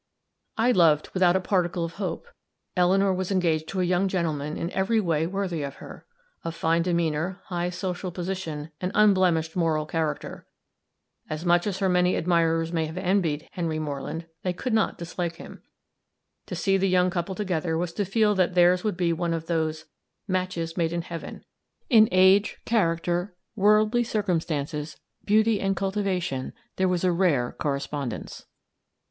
I loved, without a particle of hope. Eleanor was engaged to a young gentleman in every way worthy of her: of fine demeanor, high social position, and unblemished moral character. As much as her many admirers may have envied Henry Moreland, they could not dislike him. To see the young couple together was to feel that theirs would be one of those "matches made in heaven" in age, character, worldly circumstances, beauty and cultivation, there was a rare correspondence.